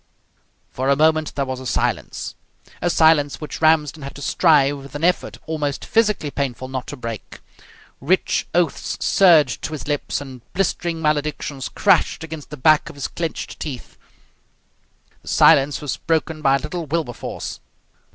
For a moment there was a silence a silence which Ramsden had to strive with an effort almost physically painful not to break. Rich oaths surged to his lips, and blistering maledictions crashed against the back of his clenched teeth. The silence was broken by little Wilberforce.